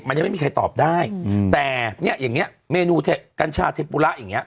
มันยังไม่ใครตอบได้แต่อย่างนี้เมนูกัญชาเทปุระอย่างนี้